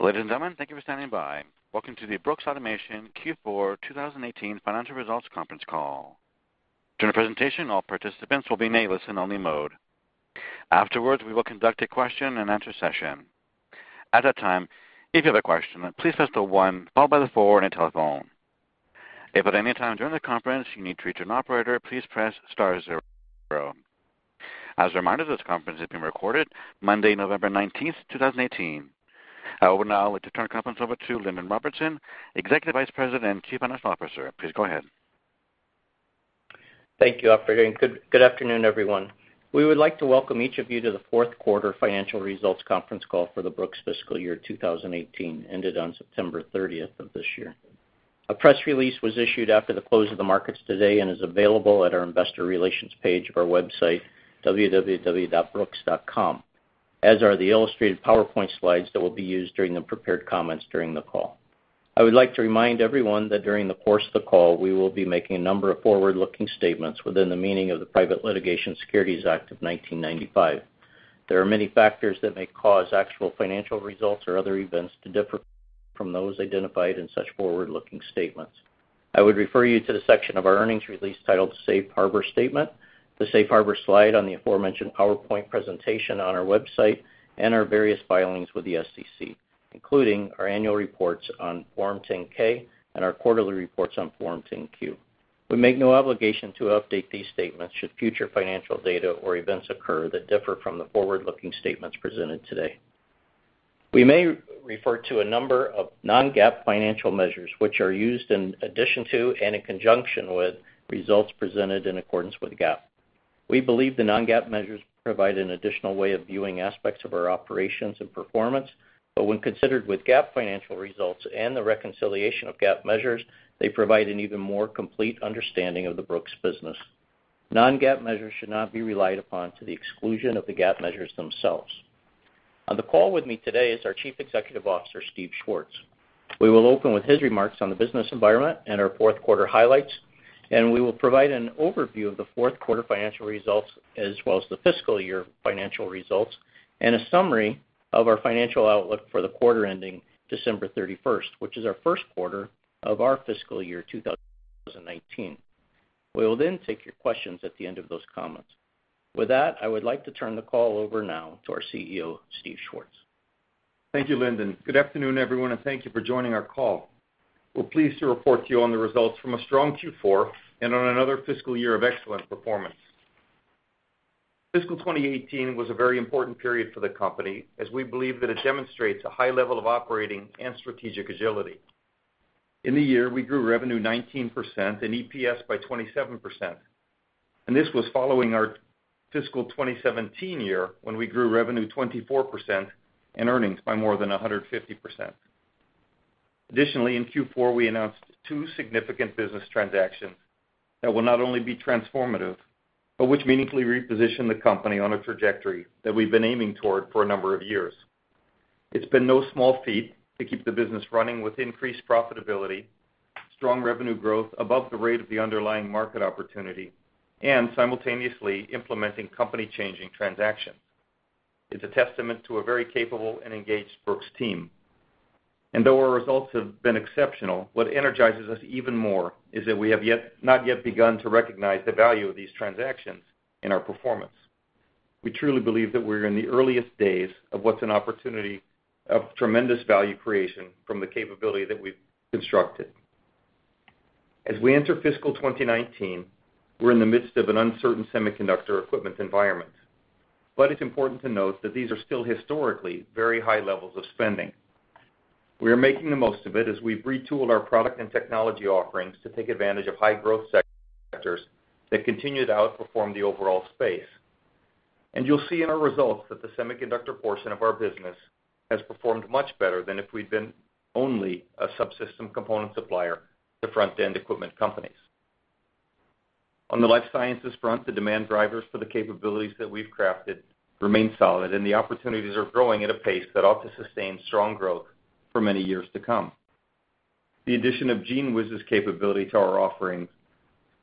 Ladies and gentlemen, thank you for standing by. Welcome to the Brooks Automation Q4 2018 Financial Results Conference Call. During the presentation, all participants will be in listen only mode. Afterwards, we will conduct a question and answer session. At that time, if you have a question, please press the one followed by the four on your telephone. If at any time during the conference you need to reach an operator, please press star zero. As a reminder, this conference is being recorded Monday, November 19th, 2018. I would now like to turn the conference over to Lindon Robertson, Executive Vice President, Chief Financial Officer. Please go ahead. Thank you, operator. Good afternoon, everyone. We would like to welcome each of you to the fourth quarter financial results conference call for the Brooks fiscal year 2018, ended on September 30th of this year. A press release was issued after the close of the markets today and is available at our investor relations page of our website, www.brooks.com, as are the illustrated PowerPoint slides that will be used during the prepared comments during the call. I would like to remind everyone that during the course of the call, we will be making a number of forward-looking statements within the meaning of the Private Securities Litigation Reform Act of 1995. There are many factors that may cause actual financial results or other events to differ from those identified in such forward-looking statements. I would refer you to the section of our earnings release titled Safe Harbor Statement, the Safe Harbor slide on the aforementioned PowerPoint presentation on our website, and our various filings with the SEC, including our annual reports on Form 10-K and our quarterly reports on Form 10-Q. We make no obligation to update these statements should future financial data or events occur that differ from the forward-looking statements presented today. We may refer to a number of non-GAAP financial measures, which are used in addition to and in conjunction with results presented in accordance with GAAP. We believe the non-GAAP measures provide an additional way of viewing aspects of our operations and performance, but when considered with GAAP financial results and the reconciliation of GAAP measures, they provide an even more complete understanding of the Brooks business. Non-GAAP measures should not be relied upon to the exclusion of the GAAP measures themselves. On the call with me today is our Chief Executive Officer, Steve Schwartz. We will open with his remarks on the business environment and our fourth quarter highlights. We will provide an overview of the fourth quarter financial results as well as the fiscal year financial results and a summary of our financial outlook for the quarter ending December 31st, which is our first quarter of our fiscal year 2019. We will then take your questions at the end of those comments. With that, I would like to turn the call over now to our CEO, Steve Schwartz. Thank you, Lindon. Good afternoon, everyone, and thank you for joining our call. We're pleased to report to you on the results from a strong Q4 and on another fiscal year of excellent performance. Fiscal 2018 was a very important period for the company, as we believe that it demonstrates a high level of operating and strategic agility. In the year, we grew revenue 19% and EPS by 27%. This was following our fiscal 2017 year, when we grew revenue 24% and earnings by more than 150%. In Q4, we announced two significant business transactions that will not only be transformative, but which meaningfully reposition the company on a trajectory that we've been aiming toward for a number of years. It's been no small feat to keep the business running with increased profitability, strong revenue growth above the rate of the underlying market opportunity, and simultaneously implementing company-changing transactions. It's a testament to a very capable and engaged Brooks team. Though our results have been exceptional, what energizes us even more is that we have not yet begun to recognize the value of these transactions in our performance. We truly believe that we're in the earliest days of what's an opportunity of tremendous value creation from the capability that we've constructed. As we enter fiscal 2019, we're in the midst of an uncertain semiconductor equipment environment. It's important to note that these are still historically very high levels of spending. We are making the most of it as we've retooled our product and technology offerings to take advantage of high growth sectors that continue to outperform the overall space. You'll see in our results that the semiconductor portion of our business has performed much better than if we'd been only a subsystem component supplier to front-end equipment companies. On the life sciences front, the demand drivers for the capabilities that we've crafted remain solid, and the opportunities are growing at a pace that ought to sustain strong growth for many years to come. The addition of GENEWIZ's capability to our offerings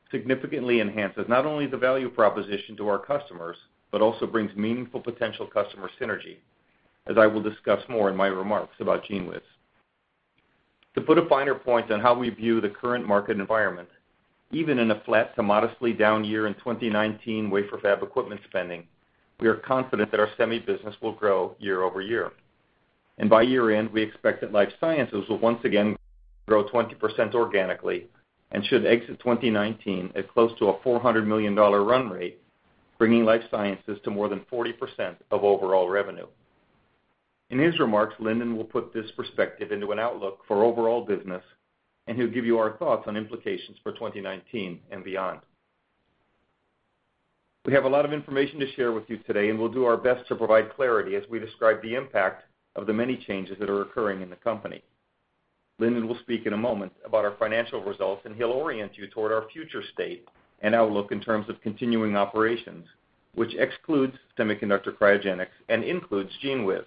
significantly enhances not only the value proposition to our customers, but also brings meaningful potential customer synergy, as I will discuss more in my remarks about GENEWIZ. To put a finer point on how we view the current market environment, even in a flat to modestly down year in 2019 wafer fab equipment spending, we are confident that our semi business will grow year-over-year. By year end, we expect that life sciences will once again grow 20% organically, and should exit 2019 at close to a $400 million run rate, bringing life sciences to more than 40% of overall revenue. In his remarks, Lindon will put this perspective into an outlook for overall business. He'll give you our thoughts on implications for 2019 and beyond. We have a lot of information to share with you today. We'll do our best to provide clarity as we describe the impact of the many changes that are occurring in the company. Lindon will speak in a moment about our financial results. He'll orient you toward our future state and outlook in terms of continuing operations, which excludes semiconductor cryogenics and includes GENEWIZ.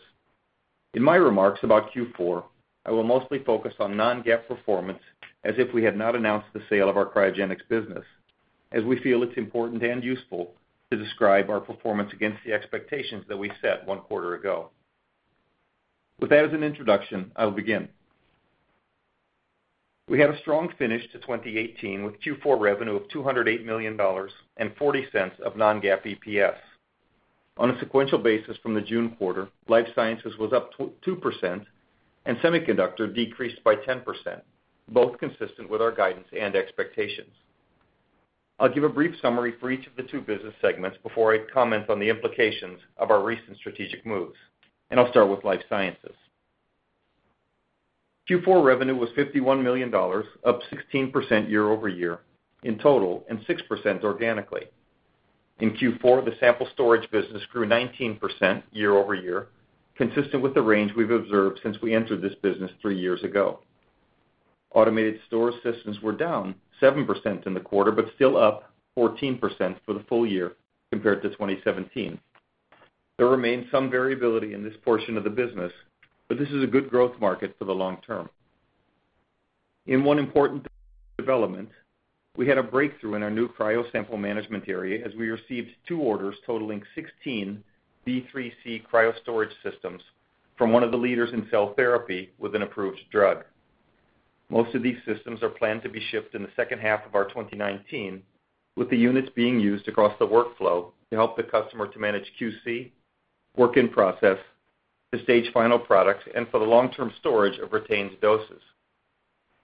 In my remarks about Q4, I will mostly focus on non-GAAP performance as if we had not announced the sale of our cryogenics business, as we feel it's important and useful to describe our performance against the expectations that we set one quarter ago. With that as an introduction, I will begin. We had a strong finish to 2018 with Q4 revenue of $208 million and $0.40 of non-GAAP EPS. On a sequential basis from the June quarter, life sciences was up 2% and semiconductor decreased by 10%, both consistent with our guidance and expectations. I'll give a brief summary for each of the two business segments before I comment on the implications of our recent strategic moves. I'll start with life sciences. Q4 revenue was $51 million, up 16% year-over-year in total, and 6% organically. In Q4, the sample storage business grew 19% year-over-year, consistent with the range we've observed since we entered this business three years ago. Automated store systems were down 7% in the quarter, but still up 14% for the full year compared to 2017. There remains some variability in this portion of the business, but this is a good growth market for the long term. In one important development, we had a breakthrough in our new cryo sample management area as we received two orders totaling 16 B3C cryostorage systems from one of the leaders in cell therapy with an approved drug. Most of these systems are planned to be shipped in the second half of our 2019, with the units being used across the workflow to help the customer to manage QC, work in process, to stage final products, and for the long-term storage of retained doses.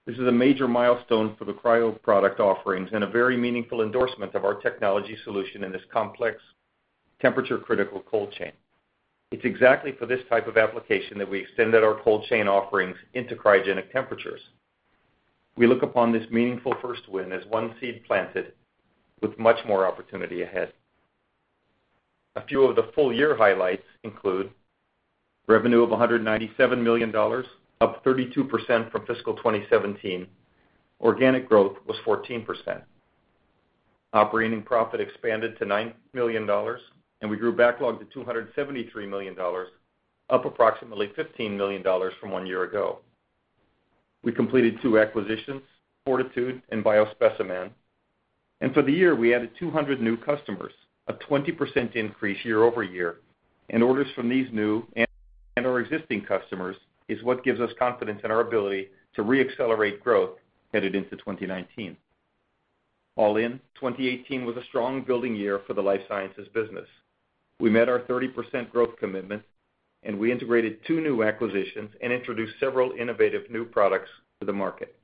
This is a major milestone for the cryo product offerings and a very meaningful endorsement of our technology solution in this complex, temperature-critical cold chain. It's exactly for this type of application that we extended our cold chain offerings into cryogenic temperatures. We look upon this meaningful first win as one seed planted with much more opportunity ahead. A few of the full-year highlights include revenue of $197 million, up 32% from fiscal 2017. Organic growth was 14%. Operating profit expanded to $9 million, and we grew backlog to $273 million, up approximately $15 million from one year ago. We completed two acquisitions, 4titude and Trans-Hit Biomarkers. For the year, we added 200 new customers, a 20% increase year-over-year, and orders from these new and our existing customers is what gives us confidence in our ability to re-accelerate growth headed into 2019. All in, 2018 was a strong building year for the life sciences business. We met our 30% growth commitment. We integrated two new acquisitions and introduced several innovative new products to the market.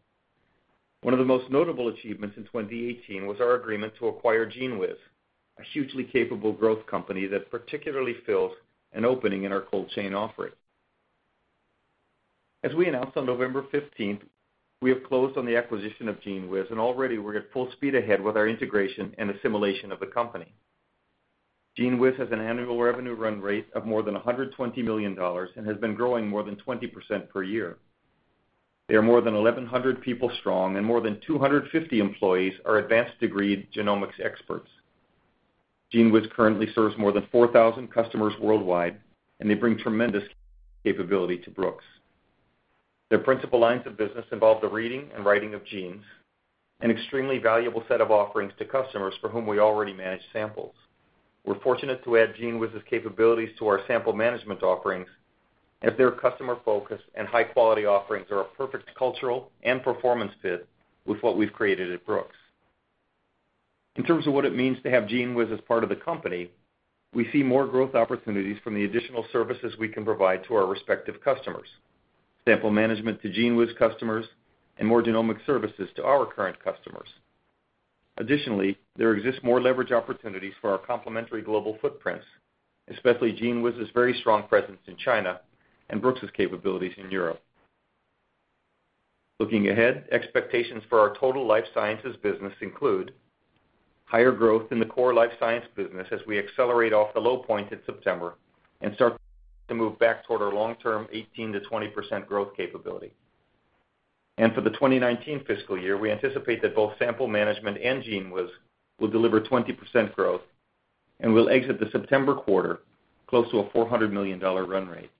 One of the most notable achievements in 2018 was our agreement to acquire GENEWIZ, a hugely capable growth company that particularly fills an opening in our cold chain offering. As we announced on November 15th, we have closed on the acquisition of GENEWIZ, and already we're at full speed ahead with our integration and assimilation of the company. GENEWIZ has an annual revenue run rate of more than $120 million and has been growing more than 20% per year. They are more than 1,100 people strong and more than 250 employees are advanced degreed genomics experts. GENEWIZ currently serves more than 4,000 customers worldwide, and they bring tremendous capability to Brooks. Their principal lines of business involve the reading and writing of genes, an extremely valuable set of offerings to customers for whom we already manage samples. We're fortunate to add GENEWIZ's capabilities to our sample management offerings as their customer focus and high-quality offerings are a perfect cultural and performance fit with what we've created at Brooks. In terms of what it means to have GENEWIZ as part of the company, we see more growth opportunities from the additional services we can provide to our respective customers. Sample management to GENEWIZ customers and more genomic services to our current customers. Additionally, there exist more leverage opportunities for our complementary global footprints, especially GENEWIZ's very strong presence in China and Brooks' capabilities in Europe. Looking ahead, expectations for our total life sciences business include higher growth in the core life science business as we accelerate off the low point in September and start to move back toward our long-term 18%-20% growth capability. For the 2019 fiscal year, we anticipate that both sample management and GENEWIZ will deliver 20% growth and will exit the September quarter close to a $400 million run rate.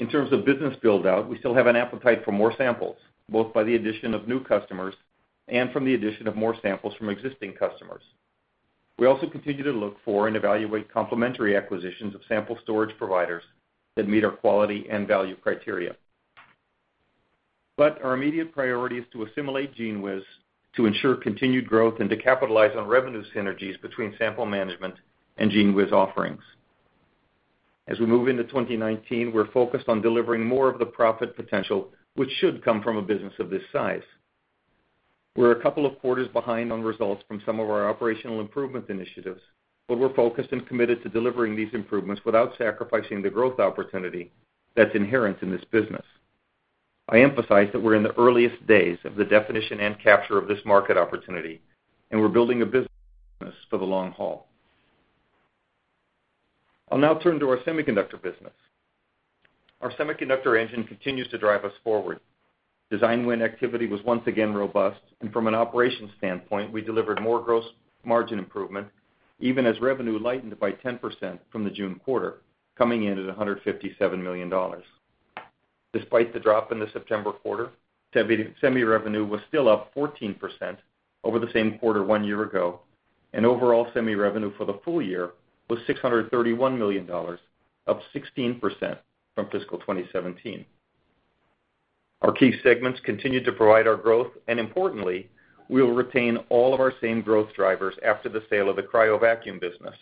In terms of business build-out, we still have an appetite for more samples, both by the addition of new customers and from the addition of more samples from existing customers. We also continue to look for and evaluate complementary acquisitions of sample storage providers that meet our quality and value criteria. Our immediate priority is to assimilate GENEWIZ to ensure continued growth and to capitalize on revenue synergies between sample management and GENEWIZ offerings. As we move into 2019, we're focused on delivering more of the profit potential, which should come from a business of this size. We're a couple of quarters behind on results from some of our operational improvement initiatives, but we're focused and committed to delivering these improvements without sacrificing the growth opportunity that's inherent in this business. I emphasize that we're in the earliest days of the definition and capture of this market opportunity, and we're building a business for the long haul. I'll now turn to our semiconductor business. Our semiconductor engine continues to drive us forward. From an operations standpoint, we delivered more gross margin improvement, even as revenue lightened by 10% from the June quarter, coming in at $157 million. Despite the drop in the September quarter, semi revenue was still up 14% over the same quarter one year ago, and overall semi revenue for the full year was $631 million, up 16% from fiscal 2017. Our key segments continued to provide our growth. Importantly, we will retain all of our same growth drivers after the sale of the cryo vacuum business.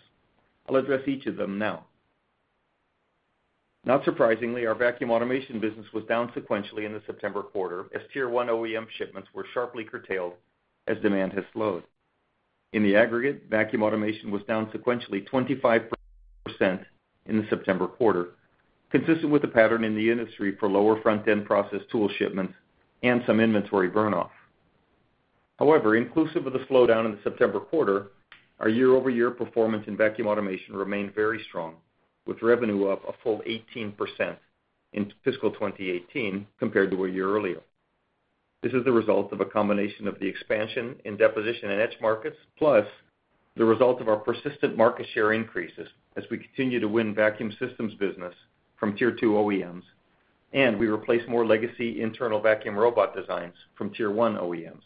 I'll address each of them now. Not surprisingly, our vacuum automation business was down sequentially in the September quarter, as Tier 1 OEM shipments were sharply curtailed as demand has slowed. In the aggregate, vacuum automation was down sequentially 25% in the September quarter, consistent with the pattern in the industry for lower front-end process tool shipments and some inventory burn-off. However, inclusive of the slowdown in the September quarter, our year-over-year performance in vacuum automation remained very strong, with revenue up a full 18% in fiscal 2018 compared to a year earlier. This is the result of a combination of the expansion in deposition and etch markets, plus the result of our persistent market share increases as we continue to win vacuum systems business from Tier 2 OEMs, and we replace more legacy internal vacuum robot designs from Tier 1 OEMs.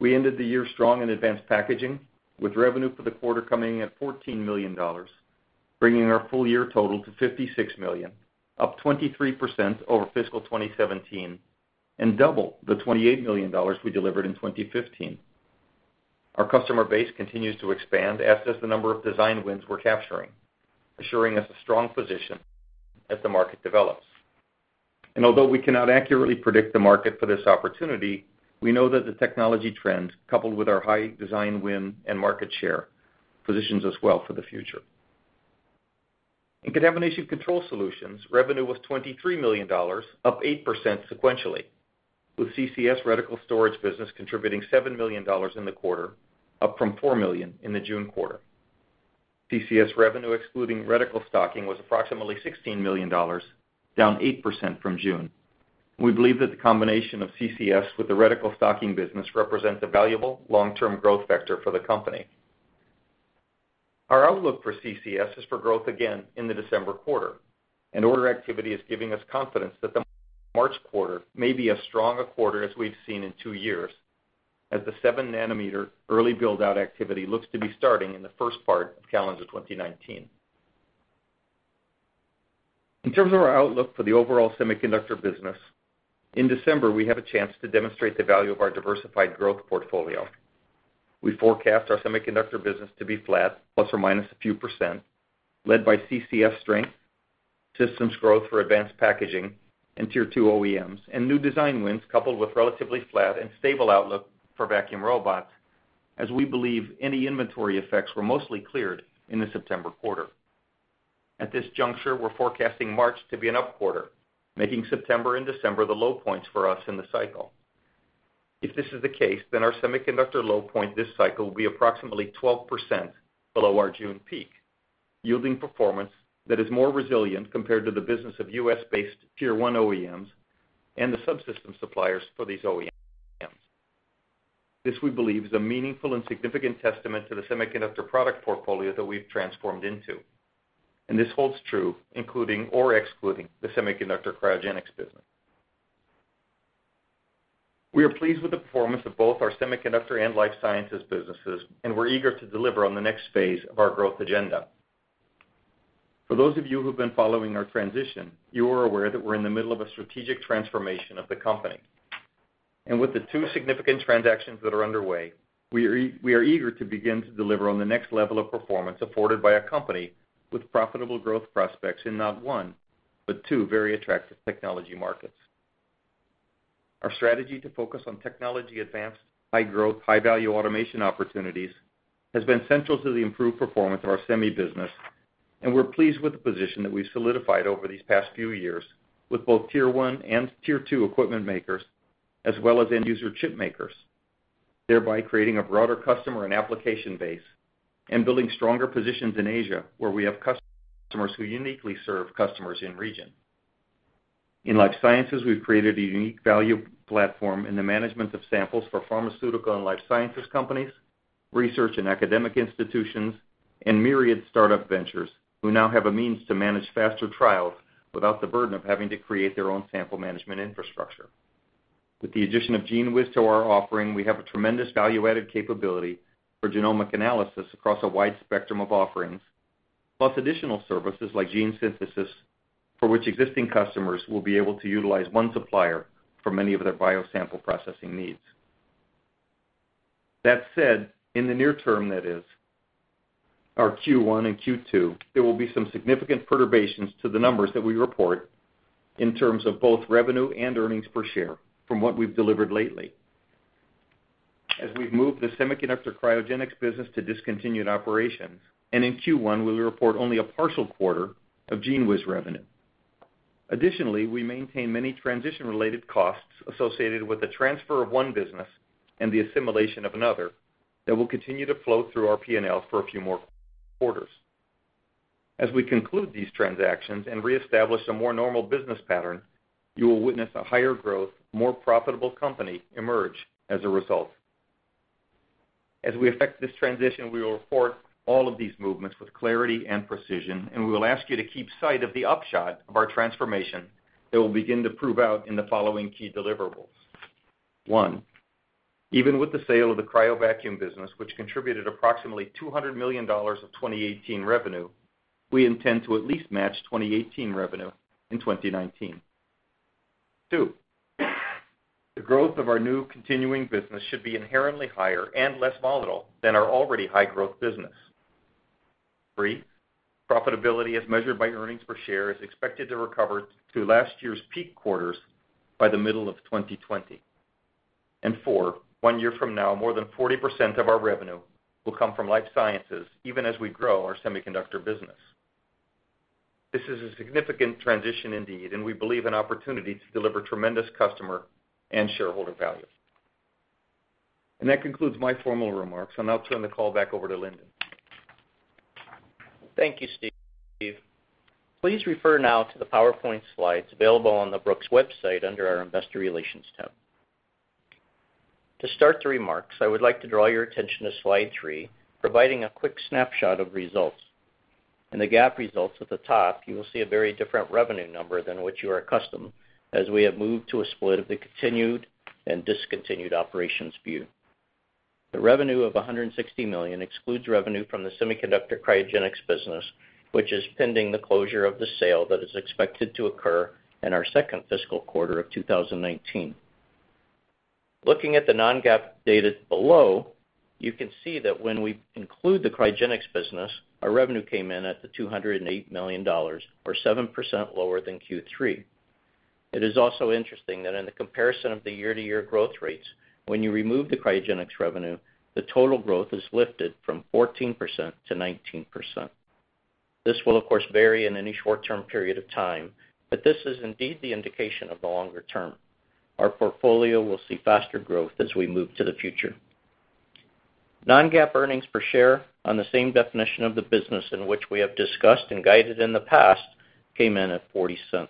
We ended the year strong in advanced packaging, with revenue for the quarter coming in at $14 million, bringing our full-year total to $56 million, up 23% over fiscal 2017 and double the $28 million we delivered in 2015. Our customer base continues to expand, as does the number of design wins we're capturing, assuring us a strong position as the market develops. Although we cannot accurately predict the market for this opportunity, we know that the technology trend, coupled with our high design win and market share, positions us well for the future. In contamination control solutions, revenue was $23 million, up 8% sequentially, with CCS reticle storage business contributing $7 million in the quarter, up from $4 million in the June quarter. CCS revenue excluding reticle stocking was approximately $16 million, down 8% from June. We believe that the combination of CCS with the reticle stocking business represents a valuable long-term growth vector for the company. Our outlook for CCS is for growth again in the December quarter, order activity is giving us confidence that the March quarter may be as strong a quarter as we've seen in two years, as the 7 nm early build-out activity looks to be starting in the first part of calendar 2019. In terms of our outlook for the overall semiconductor business, in December, we have a chance to demonstrate the value of our diversified growth portfolio. We forecast our semiconductor business to be flat, plus or minus a few percent, led by CCS strength, systems growth for advanced packaging and Tier 2 OEMs, and new design wins, coupled with relatively flat and stable outlook for vacuum robots, as we believe any inventory effects were mostly cleared in the September quarter. At this juncture, we're forecasting March to be an up quarter, making September and December the low points for us in the cycle. If this is the case, our semiconductor low point this cycle will be approximately 12% below our June peak, yielding performance that is more resilient compared to the business of U.S.-based Tier 1 OEMs and the subsystem suppliers for these OEMs. This, we believe, is a meaningful and significant testament to the semiconductor product portfolio that we've transformed into. This holds true including or excluding the semiconductor cryogenics business. We are pleased with the performance of both our semiconductor and life sciences businesses, and we're eager to deliver on the next phase of our growth agenda. For those of you who've been following our transition, you are aware that we're in the middle of a strategic transformation of the company. With the two significant transactions that are underway, we are eager to begin to deliver on the next level of performance afforded by a company with profitable growth prospects in not one, but two very attractive technology markets. Our strategy to focus on technology-advanced, high-growth, high-value automation opportunities has been central to the improved performance of our semi business, and we're pleased with the position that we've solidified over these past few years with both Tier 1 and Tier 2 equipment makers, as well as end-user chip makers, thereby creating a broader customer and application base and building stronger positions in Asia, where we have customers who uniquely serve customers in region. In life sciences, we've created a unique value platform in the management of samples for pharmaceutical and life sciences companies, research and academic institutions, and myriad startup ventures who now have a means to manage faster trials without the burden of having to create their own sample management infrastructure. With the addition of GENEWIZ to our offering, we have a tremendous value-added capability for genomic analysis across a wide spectrum of offerings, plus additional services like gene synthesis, for which existing customers will be able to utilize one supplier for many of their bio sample processing needs. That said, in the near term, that is, our Q1 and Q2, there will be some significant perturbations to the numbers that we report in terms of both revenue and earnings per share from what we've delivered lately, as we've moved the semiconductor cryogenics business to discontinued operations, and in Q1, we'll report only a partial quarter of GENEWIZ revenue. Additionally, we maintain many transition-related costs associated with the transfer of one business and the assimilation of another that will continue to flow through our P&L for a few more quarters. As we conclude these transactions and reestablish a more normal business pattern, you will witness a higher growth, more profitable company emerge as a result. As we effect this transition, we will report all of these movements with clarity and precision, and we will ask you to keep sight of the upshot of our transformation that will begin to prove out in the following key deliverables. One, even with the sale of the cryovacuum business, which contributed approximately $200 million of 2018 revenue, we intend to at least match 2018 revenue in 2019. Two, the growth of our new continuing business should be inherently higher and less volatile than our already high-growth business. Three, profitability as measured by earnings per share is expected to recover to last year's peak quarters by the middle of 2020. Four, one year from now, more than 40% of our revenue will come from life sciences, even as we grow our semiconductor business. This is a significant transition indeed, we believe an opportunity to deliver tremendous customer and shareholder value. That concludes my formal remarks. I will now turn the call back over to Lindon. Thank you, Steve. Please refer now to the PowerPoint slides available on the Brooks website under our investor relations tab. To start the remarks, I would like to draw your attention to slide three, providing a quick snapshot of results. In the GAAP results at the top, you will see a very different revenue number than what you are accustomed, as we have moved to a split of the continued and discontinued operations view. The revenue of $160 million excludes revenue from the semiconductor cryogenics business, which is pending the closure of the sale that is expected to occur in our second fiscal quarter of 2019. Looking at the non-GAAP data below, you can see that when we include the cryogenics business, our revenue came in at the $208 million, or 7% lower than Q3. It is also interesting that in the comparison of the year-to-year growth rates, when you remove the cryogenics revenue, the total growth is lifted from 14%-19%. This will, of course, vary in any short-term period of time, but this is indeed the indication of the longer term. Our portfolio will see faster growth as we move to the future. Non-GAAP earnings per share on the same definition of the business in which we have discussed and guided in the past came in at $0.40.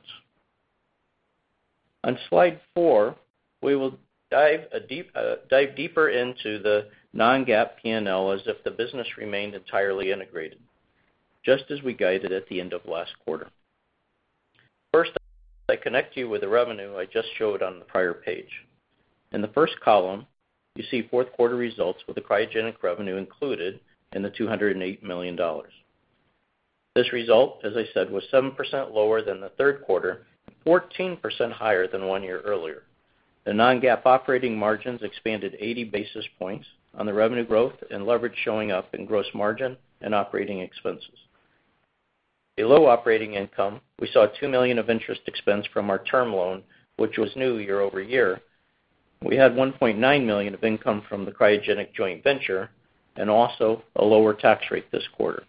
On slide four, we will dive deeper into the non-GAAP P&L as if the business remained entirely integrated, just as we guided at the end of last quarter. First, I connect you with the revenue I just showed on the prior page. In the first column, you see fourth quarter results with the cryogenic revenue included in the $208 million. This result, as I said, was 7% lower than the third quarter, 14% higher than one year earlier. The non-GAAP operating margins expanded 80 basis points on the revenue growth and leverage showing up in gross margin and operating expenses. Below operating income, we saw $2 million of interest expense from our term loan, which was new year-over-year. We had $1.9 million of income from the cryogenic joint venture, and also a lower tax rate this quarter.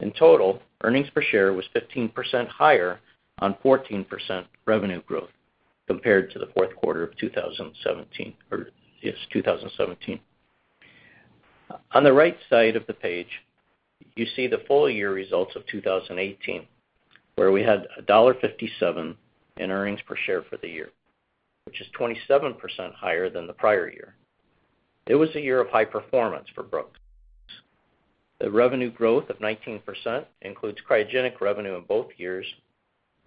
In total, earnings per share was 15% higher on 14% revenue growth compared to the fourth quarter of 2017. On the right side of the page, you see the full year results of 2018, where we had $1.57 in earnings per share for the year, which is 27% higher than the prior year. It was a year of high performance for Brooks. The revenue growth of 19% includes cryogenic revenue in both years.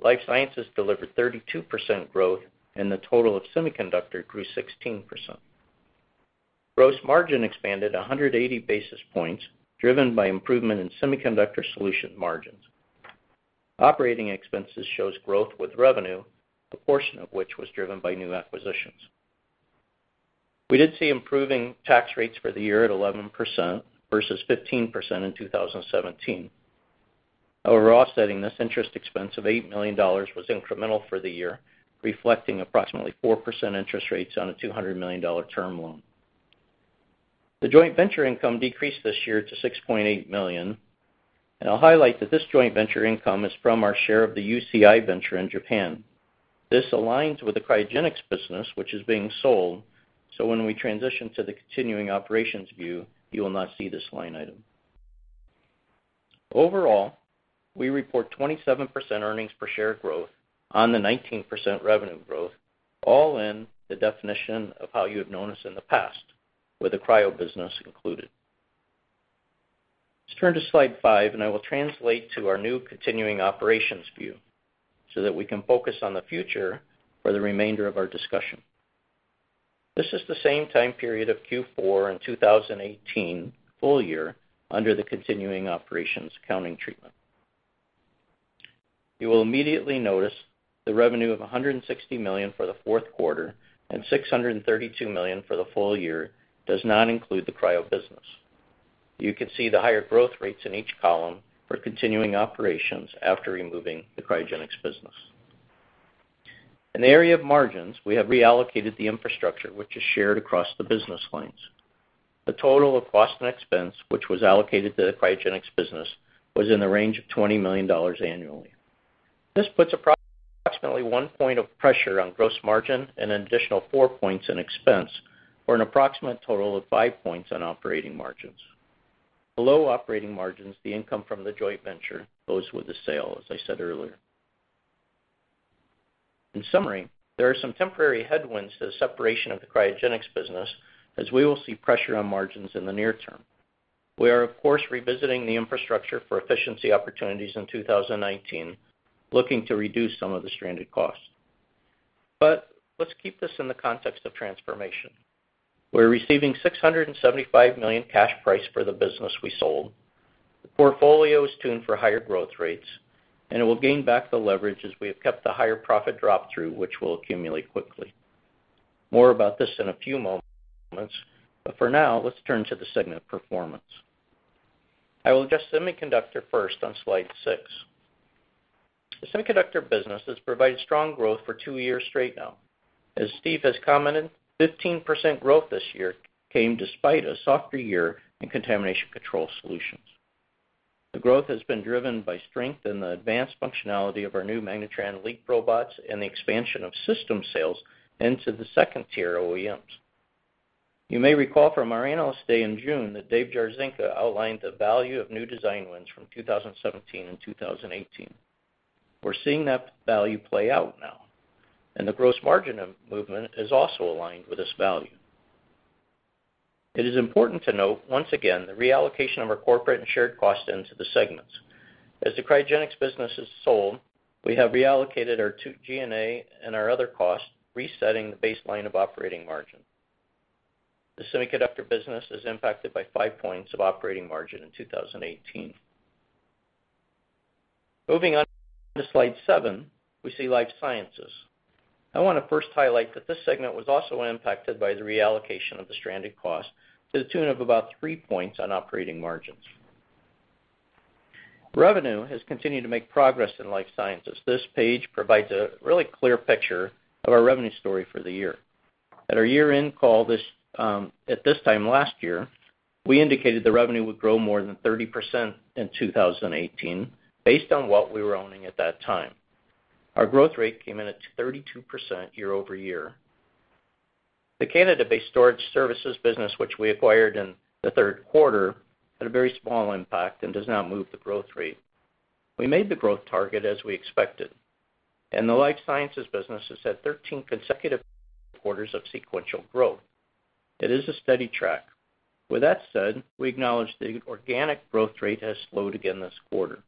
Life sciences delivered 32% growth, and the total of semiconductor grew 16%. Gross margin expanded 180 basis points, driven by improvement in semiconductor solution margins. Operating expenses shows growth with revenue, a portion of which was driven by new acquisitions. We did see improving tax rates for the year at 11% versus 15% in 2017. Offsetting this interest expense of $8 million was incremental for the year, reflecting approximately 4% interest rates on a $200 million term loan. The joint venture income decreased this year to $6.8 million, and I'll highlight that this joint venture income is from our share of the UCI venture in Japan. This aligns with the cryogenics business which is being sold, so when we transition to the continuing operations view, you will not see this line item. Overall, we report 27% earnings per share growth on the 19% revenue growth, all in the definition of how you have known us in the past, with the cryo business included. Let's turn to slide five, and I will translate to our new continuing operations view so that we can focus on the future for the remainder of our discussion. This is the same time period of Q4 and 2018 full year under the continuing operations accounting treatment. You will immediately notice the revenue of $160 million for the fourth quarter and $632 million for the full year does not include the cryo business. You can see the higher growth rates in each column for continuing operations after removing the cryogenics business. In the area of margins, we have reallocated the infrastructure, which is shared across the business lines. The total of cost and expense which was allocated to the cryogenics business was in the range of $20 million annually. This puts approximately one point of pressure on gross margin and an additional four points in expense for an approximate total of five points on operating margins. Below operating margins, the income from the joint venture goes with the sale, as I said earlier. In summary, there are some temporary headwinds to the separation of the cryogenics business as we will see pressure on margins in the near term. We are, of course, revisiting the infrastructure for efficiency opportunities in 2019, looking to reduce some of the stranded costs. Let's keep this in the context of transformation. We're receiving $675 million cash price for the business we sold. The portfolio is tuned for higher growth rates, it will gain back the leverage as we have kept the higher profit drop through, which will accumulate quickly. More about this in a few moments, for now, let's turn to the segment performance. I will address semiconductor first on slide six. The semiconductor business has provided strong growth for two years straight now. As Steve has commented, 15% growth this year came despite a softer year in contamination control solutions. The growth has been driven by strength in the advanced functionality of our new MagnaTran LEAP robots and the expansion of system sales into the second-tier OEMs. You may recall from our Analyst Day in June that Dave Jarzynka outlined the value of new design wins from 2017 and 2018. We're seeing that value play out now, the gross margin of movement is also aligned with this value. It is important to note, once again, the reallocation of our corporate and shared costs into the segments. As the cryogenics business is sold, we have reallocated our G&A and our other costs, resetting the baseline of operating margin. The semiconductor business is impacted by five points of operating margin in 2018. Moving on to slide seven, we see life sciences. I want to first highlight that this segment was also impacted by the reallocation of the stranded cost to the tune of about three points on operating margins. Revenue has continued to make progress in life sciences. This page provides a really clear picture of our revenue story for the year. At our year-end call at this time last year, we indicated the revenue would grow more than 30% in 2018, based on what we were owning at that time. Our growth rate came in at 32% year-over-year. The candidate-based storage services business, which we acquired in the third quarter, had a very small impact and does not move the growth rate. We made the growth target as we expected, and the life sciences business has had 13 consecutive quarters of sequential growth. It is a steady track. With that said, we acknowledge the organic growth rate has slowed again this quarter.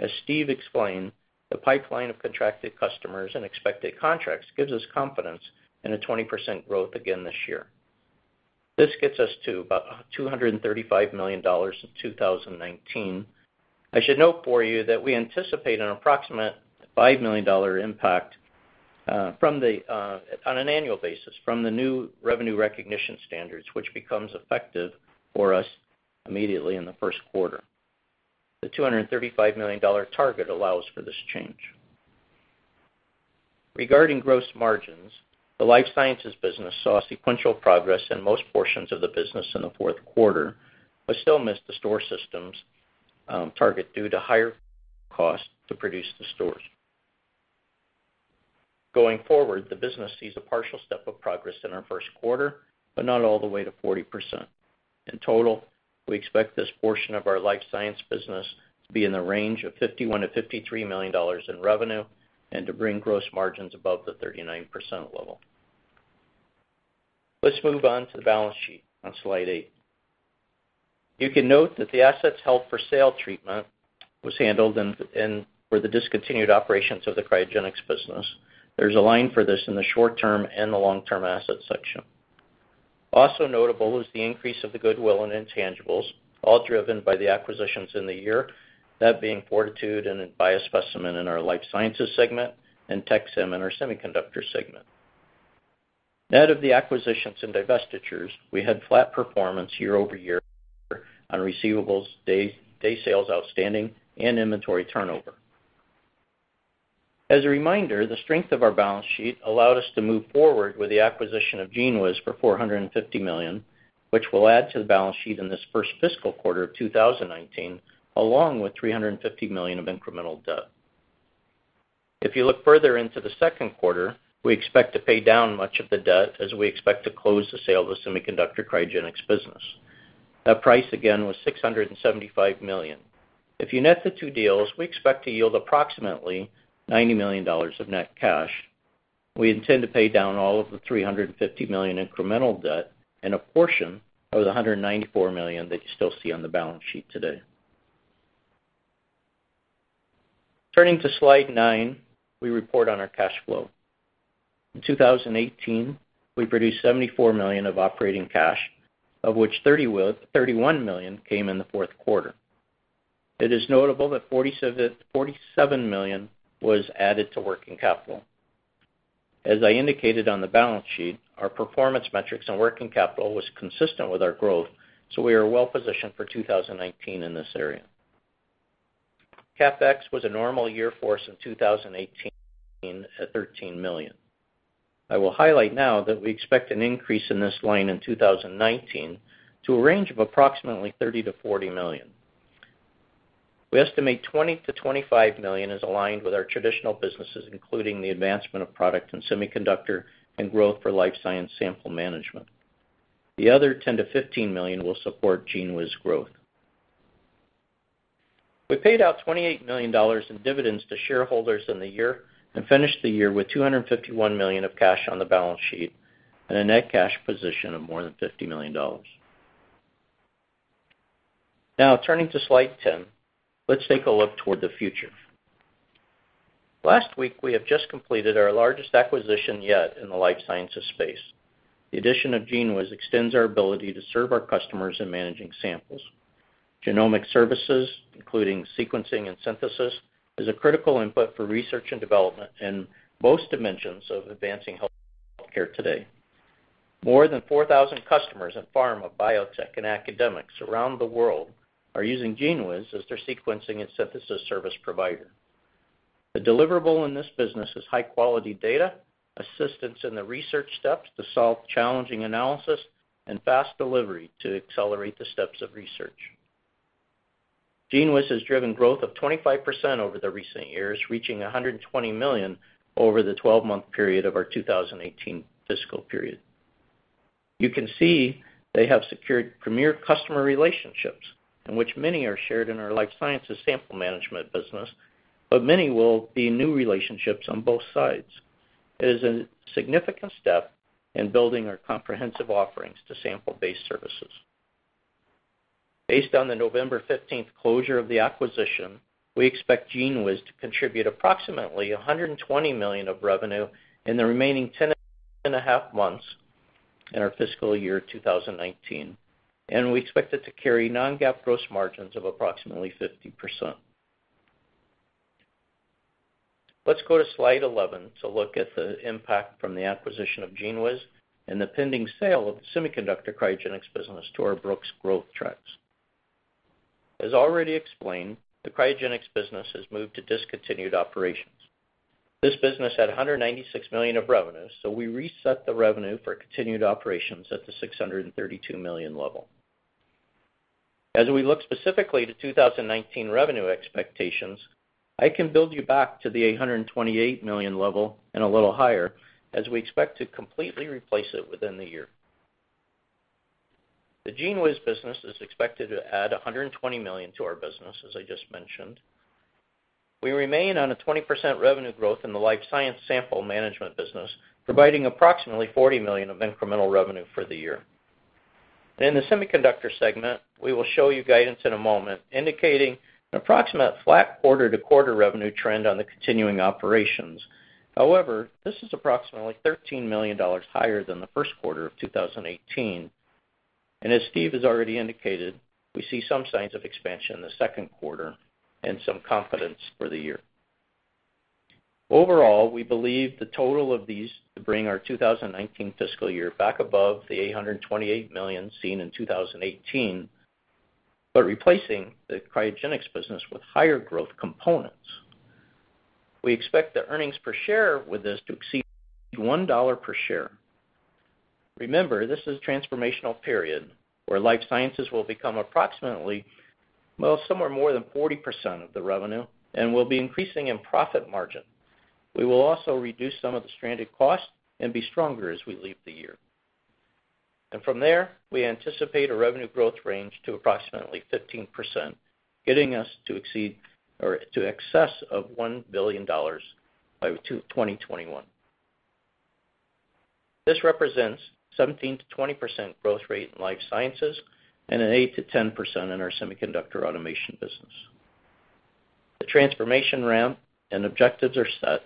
As Steve explained, the pipeline of contracted customers and expected contracts gives us confidence in a 20% growth again this year. This gets us to about $235 million in 2019. I should note for you that we anticipate an approximate $5 million impact on an annual basis from the new revenue recognition standards, which becomes effective for us immediately in the first quarter. The $235 million target allows for this change. Regarding gross margins, the life sciences business saw sequential progress in most portions of the business in the fourth quarter, but still missed the store systems target due to higher cost to produce the stores. Going forward, the business sees a partial step of progress in our first quarter, but not all the way to 40%. In total, we expect this portion of our life science business to be in the range of $51 million-$53 million in revenue, and to bring gross margins above the 39% level. Let's move on to the balance sheet on slide eight. You can note that the assets held for sale treatment was handled for the discontinued operations of the cryogenics business. There's a line for this in the short-term and the long-term asset section. Also notable is the increase of the goodwill and intangibles, all driven by the acquisitions in the year, that being 4titude and Trans-Hit Biomarkers in our life sciences segment and Tec-Sem in our semiconductor segment. Net of the acquisitions and divestitures, we had flat performance year-over-year on receivables, day sales outstanding, and inventory turnover. As a reminder, the strength of our balance sheet allowed us to move forward with the acquisition of GENEWIZ for $450 million, which will add to the balance sheet in this first fiscal quarter of 2019, along with $350 million of incremental debt. If you look further into the second quarter, we expect to pay down much of the debt as we expect to close the sale of the semiconductor cryogenics business. That price, again, was $675 million. If you net the two deals, we expect to yield approximately $90 million of net cash. We intend to pay down all of the $350 million incremental debt and a portion of the $194 million that you still see on the balance sheet today. Turning to slide nine, we report on our cash flow. In 2018, we produced $74 million of operating cash, of which $31 million came in the fourth quarter. It is notable that $47 million was added to working capital. As I indicated on the balance sheet, our performance metrics on working capital was consistent with our growth, so we are well positioned for 2019 in this area. CapEx was a normal year for us in 2018 at $13 million. I will highlight now that we expect an increase in this line in 2019 to a range of approximately $30 million-$40 million. We estimate $20 million-$25 million is aligned with our traditional businesses, including the advancement of product in semiconductor and growth for life science sample management. The other $10 million-$15 million will support GENEWIZ growth. We paid out $28 million in dividends to shareholders in the year and finished the year with $251 million of cash on the balance sheet and a net cash position of more than $50 million. Turning to slide 10, let's take a look toward the future. Last week, we have just completed our largest acquisition yet in the life sciences space. The addition of GENEWIZ extends our ability to serve our customers in managing samples. Genomic services, including sequencing and synthesis, is a critical input for research and development in most dimensions of advancing healthcare today. More than 4,000 customers in pharma, biotech, and academics around the world are using GENEWIZ as their sequencing and synthesis service provider. The deliverable in this business is high-quality data, assistance in the research steps to solve challenging analysis, and fast delivery to accelerate the steps of research. GENEWIZ has driven growth of 25% over the recent years, reaching $120 million over the 12-month period of our 2018 fiscal period. You can see they have secured premier customer relationships, in which many are shared in our life sciences sample management business, but many will be new relationships on both sides. It is a significant step in building our comprehensive offerings to sample-based services. Based on the November 15th closure of the acquisition, we expect GENEWIZ to contribute approximately $120 million of revenue in the remaining 10 and a half months in our fiscal year 2019, and we expect it to carry non-GAAP gross margins of approximately 50%. Let's go to slide 11 to look at the impact from the acquisition of GENEWIZ and the pending sale of the semiconductor cryogenics business to our Brooks growth trends. As already explained, the cryogenics business has moved to discontinued operations. This business had $196 million of revenue, so we reset the revenue for continued operations at the $632 million level. As we look specifically to 2019 revenue expectations, I can build you back to the $828 million level and a little higher as we expect to completely replace it within the year. The GENEWIZ business is expected to add $120 million to our business, as I just mentioned. We remain on a 20% revenue growth in the life science sample management business, providing approximately $40 million of incremental revenue for the year. In the semiconductor segment, we will show you guidance in a moment indicating an approximate flat quarter-to-quarter revenue trend on the continuing operations. However, this is approximately $13 million higher than the first quarter of 2018. As Steve has already indicated, we see some signs of expansion in the second quarter and some confidence for the year. Overall, we believe the total of these to bring our 2019 fiscal year back above the $828 million seen in 2018, but replacing the cryogenics business with higher growth components. We expect the earnings per share with this to exceed $1 per share. Remember, this is a transformational period where life sciences will become approximately, well, somewhere more than 40% of the revenue and will be increasing in profit margin. We will also reduce some of the stranded costs and be stronger as we leave the year. From there, we anticipate a revenue growth range to approximately 15%, getting us to excess of $1 billion by 2021. This represents 17%-20% growth rate in life sciences and an 8%-10% in our semiconductor automation business. The transformation ramp and objectives are set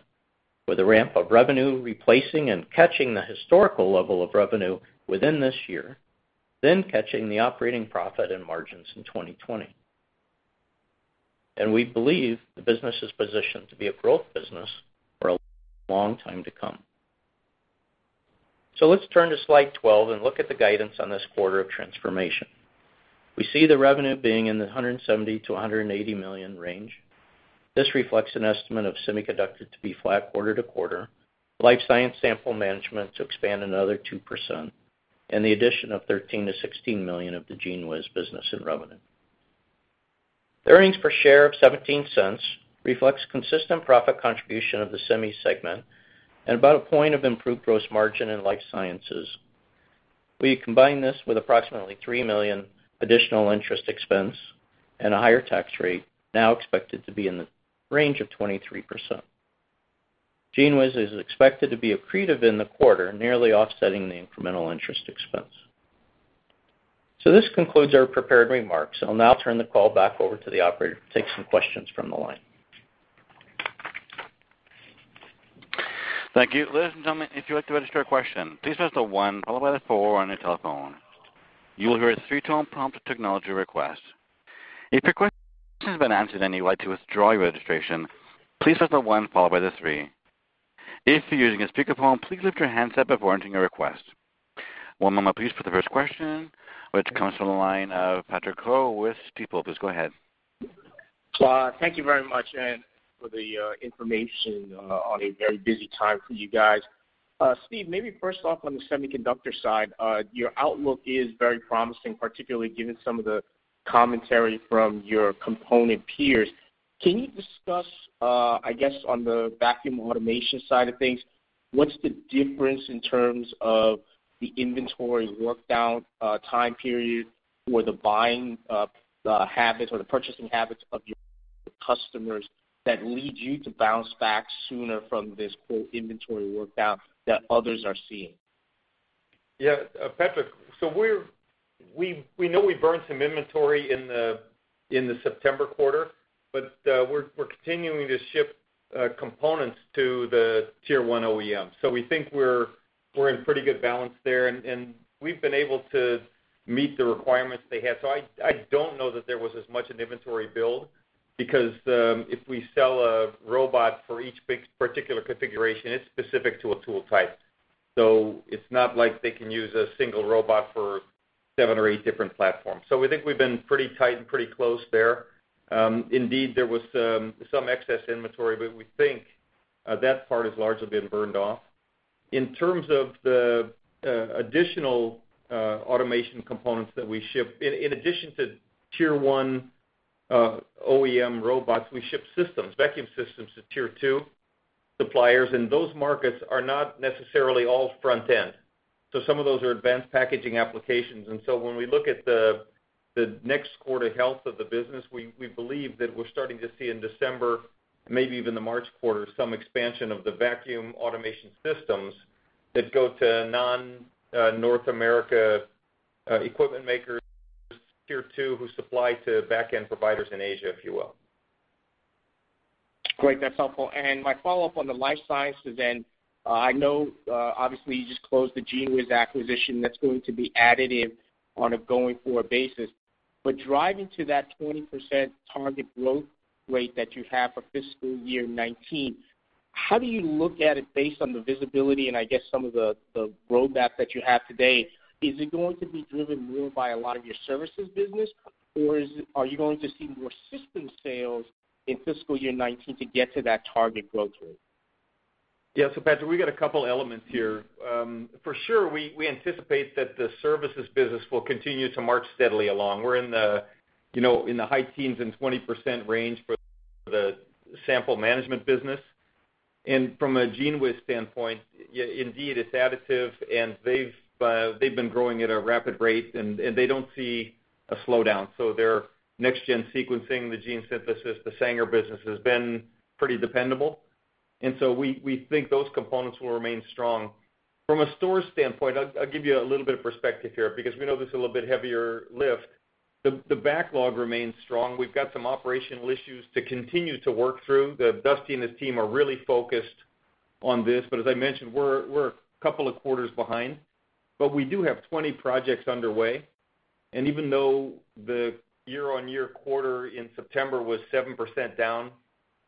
with a ramp of revenue replacing and catching the historical level of revenue within this year, then catching the operating profit and margins in 2020. We believe the business is positioned to be a growth business for a long time to come. Let's turn to slide 12 and look at the guidance on this quarter of transformation. We see the revenue being in the $170 million-$180 million range. This reflects an estimate of semiconductor to be flat quarter-to-quarter, life science sample management to expand another 2%, and the addition of $13 million-$16 million of the GENEWIZ business in revenue. The earnings per share of $0.17 reflects consistent profit contribution of the semi segment and about a point of improved gross margin in life sciences. We combine this with approximately $3 million additional interest expense and a higher tax rate now expected to be in the range of 23%. GENEWIZ is expected to be accretive in the quarter, nearly offsetting the incremental interest expense. This concludes our prepared remarks. I'll now turn the call back over to the operator to take some questions from the line. Thank you. Ladies and gentlemen, if you'd like to register a question, please press the one followed by the four on your telephone. You will hear a three-tone prompt to acknowledge your request. If your question has been answered and you'd like to withdraw your registration, please press the one followed by the three. If you're using a speakerphone, please lift your handset before entering your request. One moment please for the first question, which comes from the line of Patrick Ho with Stifel. Please go ahead. Thank you very much, for the information on a very busy time for you guys. Steve, maybe first off on the semiconductor side, your outlook is very promising, particularly given some of the commentary from your component peers. Can you discuss, I guess on the vacuum automation side of things, what's the difference in terms of the inventory work down, time period for the buying habits or the purchasing habits of your customers that lead you to bounce back sooner from this inventory work down that others are seeing? Yeah, Patrick. We know we burned some inventory in the September quarter, we're continuing to ship components to the Tier 1 OEM. We think we're in pretty good balance there, we've been able to meet the requirements they had. I don't know that there was as much an inventory build because, if we sell a robot for each big particular configuration, it's specific to a tool type. It's not like they can use a single robot for seven or eight different platforms. We think we've been pretty tight and pretty close there. Indeed, there was some excess inventory, we think that part has largely been burned off. In terms of the additional automation components that we ship, in addition to Tier 1 OEM robots, we ship systems, vacuum systems to Tier 2 suppliers, those markets are not necessarily all front end. Some of those are advanced packaging applications. When we look at the next quarter health of the business, we believe that we're starting to see in December, maybe even the March quarter, some expansion of the vacuum automation systems that go to non-North America equipment makers, Tier 2, who supply to backend providers in Asia, if you will. Great. That's helpful. My follow-up on the life sciences end, I know obviously you just closed the GENEWIZ acquisition that's going to be additive on a going-forward basis. Driving to that 20% target growth rate that you have for fiscal year 2019, how do you look at it based on the visibility and I guess some of the roadmap that you have today? Is it going to be driven more by a lot of your services business? Or are you going to see more system sales in fiscal year 2019 to get to that target growth rate? Patrick, we got a couple elements here. For sure, we anticipate that the services business will continue to march steadily along. We're in the high 10s and 20% range for the sample management business. From a GENEWIZ standpoint, indeed it's additive and they've been growing at a rapid rate, and they don't see a slowdown. Their Next-Generation Sequencing, the gene synthesis, the Sanger business has been pretty dependable. We think those components will remain strong. From a store standpoint, I'll give you a little bit of perspective here because we know this is a little bit heavier lift. The backlog remains strong. We've got some operational issues to continue to work through. Dusty and his team are really focused on this, but as I mentioned, we're a couple of quarters behind. We do have 20 projects underway, and even though the year-over-year quarter in September was 7% down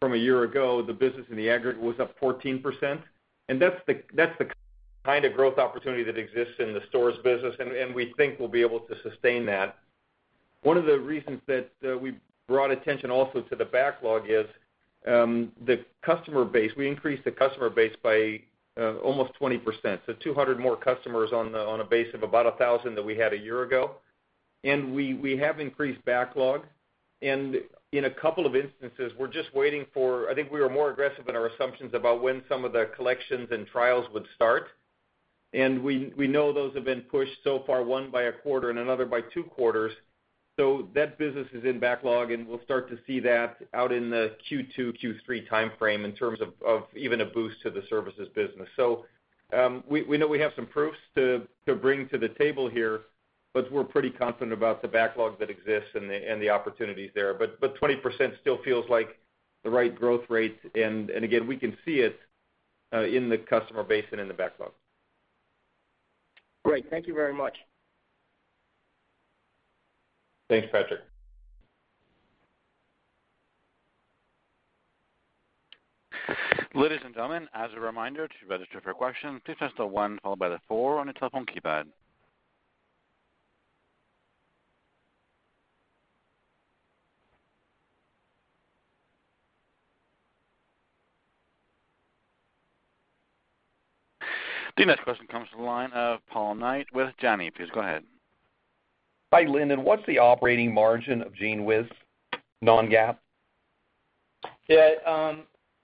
from a year ago, the business in the aggregate was up 14%. That's the kind of growth opportunity that exists in the stores business, and we think we'll be able to sustain that. One of the reasons that we brought attention also to the backlog is the customer base. We increased the customer base by almost 20%, so 200 more customers on a base of about 1,000 that we had a year ago. We have increased backlog. In a couple of instances, we're just waiting for I think we were more aggressive in our assumptions about when some of the collections and trials would start. We know those have been pushed so far, one by a quarter and another by two quarters. That business is in backlog, and we'll start to see that out in the Q2, Q3 timeframe in terms of even a boost to the services business. We know we have some proofs to bring to the table here, but we're pretty confident about the backlog that exists and the opportunities there. 20% still feels like the right growth rate, and again, we can see it in the customer base and in the backlog. Great. Thank you very much. Thanks, Patrick. Ladies and gentlemen, as a reminder to register for a question, please press the one followed by the four on your telephone keypad. The next question comes from the line of Paul Knight with Janney. Please go ahead. Hi, Lindon. What's the operating margin of GENEWIZ, non-GAAP? Yeah,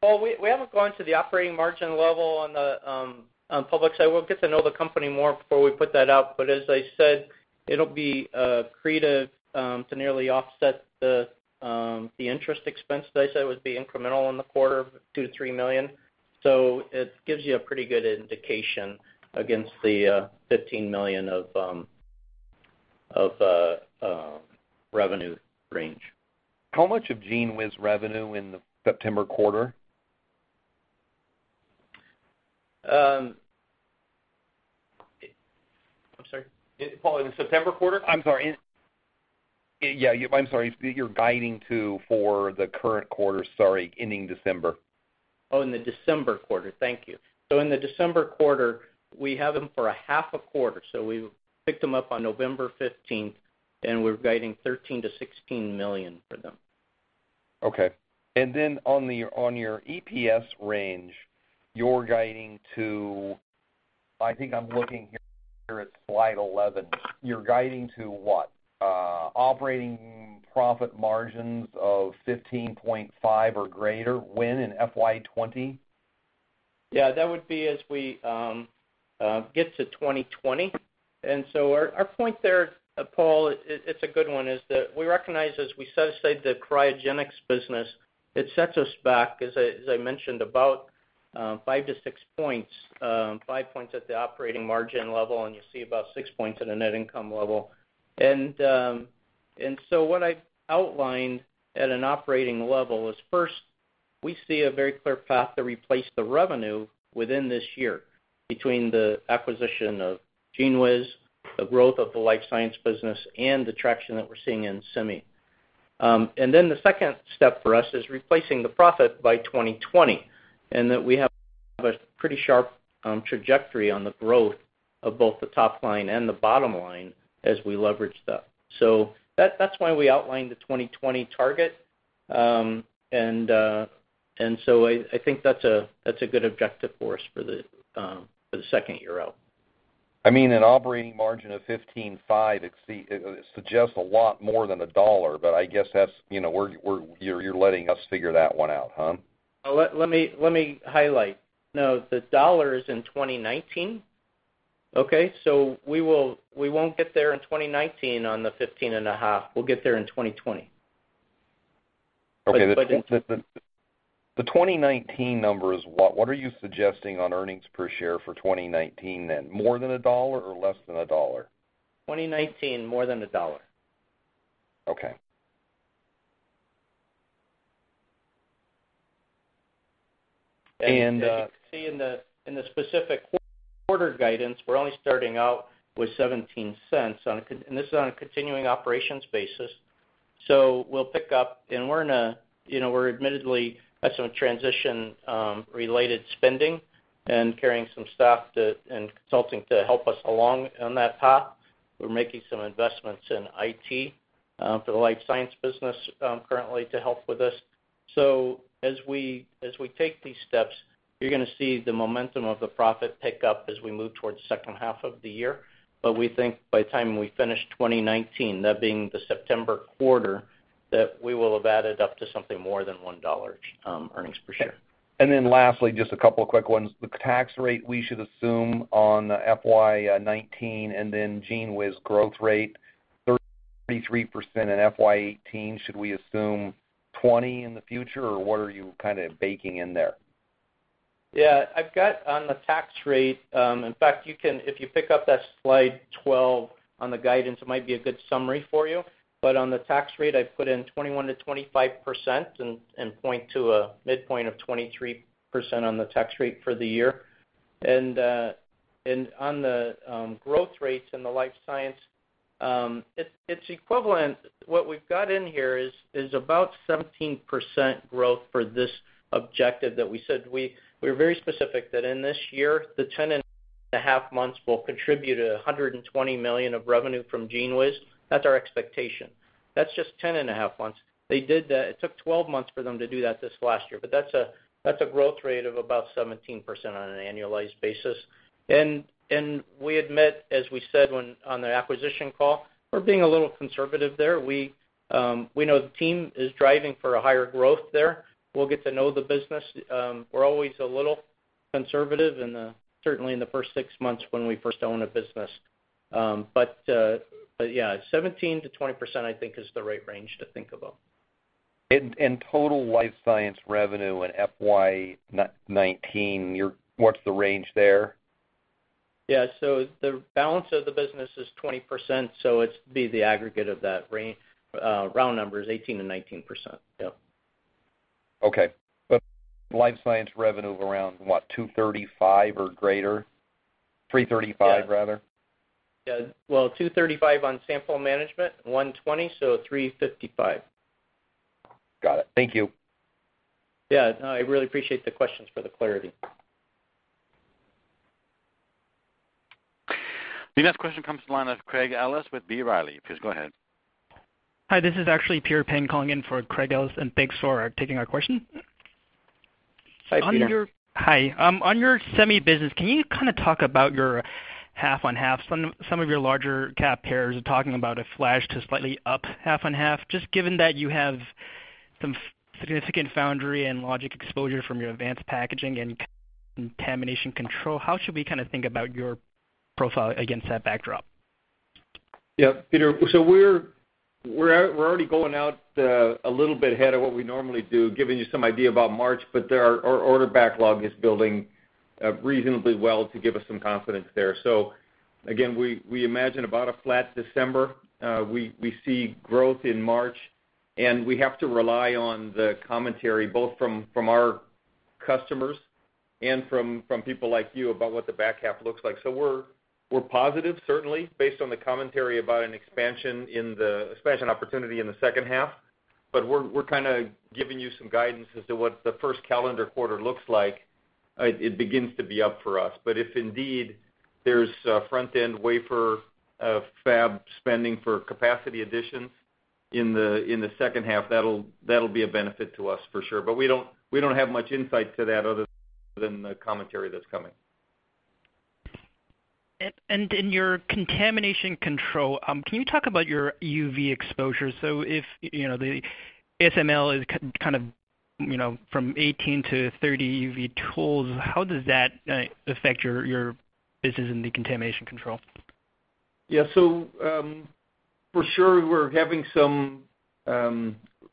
Paul, we haven't gone to the operating margin level on the public side. We'll get to know the company more before we put that out. As I said, it'll be accretive to nearly offset the interest expense that I said would be incremental in the quarter of $2 million-$3 million. It gives you a pretty good indication against the $15 million of revenue range. How much of GENEWIZ revenue in the September quarter? I'm sorry? Paul, in the September quarter? I'm sorry, Yeah. I'm sorry, you're guiding to for the current quarter, ending December. Oh, in the December quarter. Thank you. In the December quarter, we have them for a half a quarter. We picked them up on November 15th, and we're guiding $13 million-$16 million for them. Okay. On your EPS range, you're guiding to, I think I'm looking here at slide 11. You're guiding to what? Operating profit margins of 15.5% or greater when in FY 2020? Yeah, that would be as we get to 2020. Our point there, Paul, it's a good one, is that we recognize as we set aside the cryogenics business, it sets us back, as I mentioned, about five to six points. Five points at the operating margin level, and you see about six points at a net income level. What I outlined at an operating level is first, we see a very clear path to replace the revenue within this year between the acquisition of GENEWIZ, the growth of the life science business, and the traction that we're seeing in semi. The second step for us is replacing the profit by 2020, and that we have a pretty sharp trajectory on the growth of both the top line and the bottom line as we leverage that. That's why we outlined the 2020 target. I think that's a good objective for us for the second year out. An operating margin of 15.5% suggests a lot more than $1, but I guess you're letting us figure that one out, huh? Let me highlight. The $1 is in 2019. Okay? We won't get there in 2019 on the 15.5%. We'll get there in 2020. Okay. The 2019 number is what? What are you suggesting on earnings per share for 2019 then? More than $1 or less than $1? 2019, more than $1. Okay. You can see in the specific quarter guidance, we're only starting out with $0.17, and this is on a continuing operations basis. We'll pick up, and we're admittedly at some transition-related spending and carrying some staff and consulting to help us along on that path. We're making some investments in IT for the life science business currently to help with this. As we take these steps, you're going to see the momentum of the profit pick up as we move towards the second half of the year. We think by the time we finish 2019, that being the September quarter, that we will have added up to something more than $1 earnings per share. Lastly, just a couple of quick ones. The tax rate we should assume on FY 2019 and then GENEWIZ growth rate 33% in FY 2018, should we assume 20% in the future, or what are you kind of baking in there? I've got on the tax rate, in fact, if you pick up that slide 12 on the guidance, it might be a good summary for you. On the tax rate, I put in 21%-25% and point to a midpoint of 23% on the tax rate for the year. On the growth rates in the life science, it's equivalent. What we've got in here is about 17% growth for this objective that we said. We're very specific that in this year, the 10 and 1/2 months will contribute $120 million of revenue from GENEWIZ. That's our expectation. That's just 10 and 1/2 months. It took 12 months for them to do that this last year, but that's a growth rate of about 17% on an annualized basis. We admit, as we said on the acquisition call, we're being a little conservative there. We know the team is driving for a higher growth there. We'll get to know the business. We're always a little conservative, certainly in the first six months when we first own a business. Yeah, 17%-20% I think is the right range to think about. Total life science revenue in FY 2019, what's the range there? Yeah. The balance of the business is 20%, so it'd be the aggregate of that range. Round number is 18%-19%. Yep. Okay. Life science revenue of around what? $235 or greater? $335 rather? Yeah. Well, $235 on sample management, $120, so $355. Got it. Thank you. Yeah. No, I really appreciate the questions for the clarity. The next question comes to the line of Craig Ellis with B. Riley. Please go ahead. Hi, this is actually Peter Peng calling in for Craig Ellis. Thanks for taking our question. Hi, Peter. Hi. On your semi business, can you kind of talk about your half on half? Some of your larger CapEx peers are talking about a flash to slightly up 1/2 on 1/2. Just given that you have some significant foundry and logic exposure from your advanced packaging and contamination control, how should we kind of think about your profile against that backdrop? Yeah, Peter, we're already going out a little bit ahead of what we normally do, giving you some idea about March, our order backlog is building reasonably well to give us some confidence there. Again, we imagine about a flat December. We see growth in March, we have to rely on the commentary, both from our customers and from people like you about what the back half looks like. We're positive certainly based on the commentary about an expansion opportunity in the second half. We're kind of giving you some guidance as to what the first calendar quarter looks like. It begins to be up for us. If indeed there's a front-end wafer fab spending for capacity additions in the second half, that'll be a benefit to us for sure. We don't have much insight to that other than the commentary that's coming. In your contamination control, can you talk about your EUV exposure? If the ASML is from 18-30 EUV tools, how does that affect your business in the contamination control? Yeah. For sure we're having some